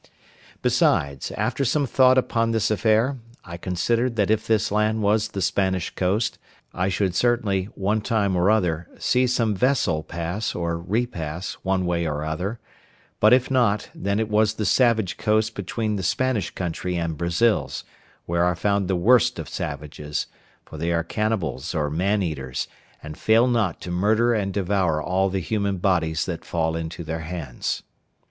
Besides, after some thought upon this affair, I considered that if this land was the Spanish coast, I should certainly, one time or other, see some vessel pass or repass one way or other; but if not, then it was the savage coast between the Spanish country and Brazils, where are found the worst of savages; for they are cannibals or men eaters, and fail not to murder and devour all the human bodies that fall into their hands.